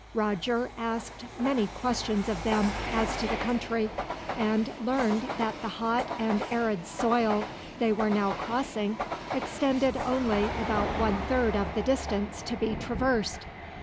Roger asked many questions of them as to the country, and learned that the hot and arid soil they were now crossing extended only about one third of the distance to be traversed.